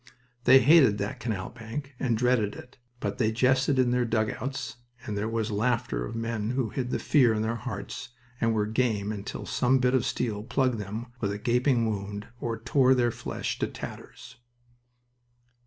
They hated that canal bank and dreaded it, but they jested in their dugouts, and there was the laughter of men who hid the fear in their hearts and were "game" until some bit of steel plugged them with a gaping wound or tore their flesh to tatters.